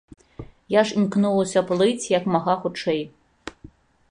Я ж імкнулася плыць як мага хутчэй.